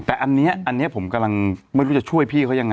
แต่อันนี้ผมกำลังไม่รู้จะช่วยพี่เขายังไง